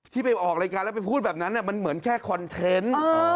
ไปออกรายการแล้วไปพูดแบบนั้นมันเหมือนแค่คอนเทนต์